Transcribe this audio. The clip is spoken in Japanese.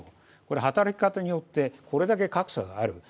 働き方によってこれだけ格差がある。